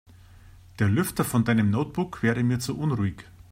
Der Lüfter von deinem Notebook wäre mir zu unruhig.